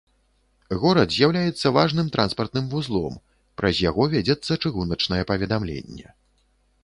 Горад з'яўляецца важным транспартным вузлом, праз яго вядзецца чыгуначнае паведамленне.